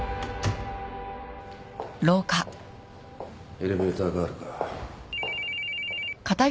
エレベーターガールか。